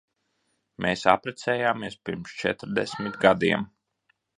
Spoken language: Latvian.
Mēs apprecējāmies pirms četrdesmit gadiem.